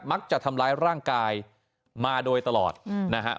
มักจะทำร้ายร่างกายมาโดยตลอดนะฮะ